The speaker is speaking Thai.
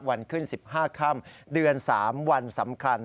วันขึ้น๑๕ค่ำเดือน๓วันสำคัญ